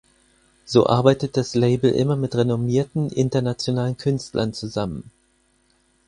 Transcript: So arbeitet das Label immer mit renommierten, internationalen Künstlern zusammen.